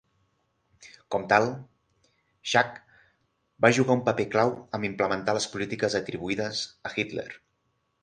Com tal, Schacht va jugar un paper clau en implementar les polítiques atribuïdes a Hitler.